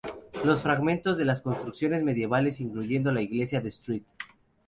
Los fragmentos de las construcciones medievales, incluyendo la iglesia de St.